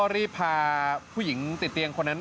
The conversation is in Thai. รีบพาผู้หญิงติดเตียงคนนั้น